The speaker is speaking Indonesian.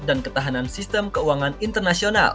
ketahanan sistem keuangan internasional